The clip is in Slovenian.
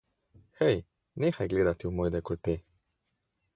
Hej, nehaj gledati v moj dekolte!